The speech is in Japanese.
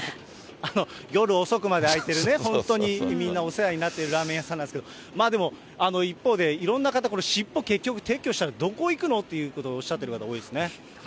夜遅くまで開いてる、本当にみんなお世話になってるラーメン屋さんなんですけど、でも、一方でいろんな方、尻尾、結局撤去したらどこ行くの？ということをおっしゃってる方、多いですね。